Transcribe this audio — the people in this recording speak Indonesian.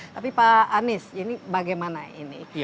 tapi pak anies ini bagaimana ini